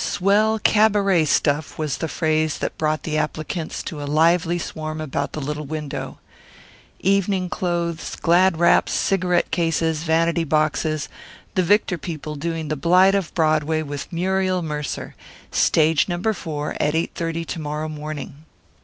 "Swell cabaret stuff" was the phrase that brought the applicants to a lively swarm about the little window. Evening clothes, glad wraps, cigarette cases, vanity boxes the Victor people doing The Blight of Broadway with Muriel Mercer Stage Number Four at 8:30 to morrow morning.